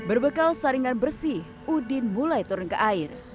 hai berbekal saringan bersih udin mulai turun ke air